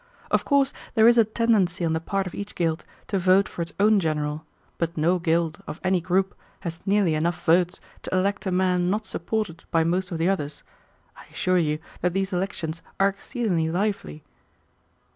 Of course there is a tendency on the part of each guild to vote for its own general, but no guild of any group has nearly enough votes to elect a man not supported by most of the others. I assure you that these elections are exceedingly lively."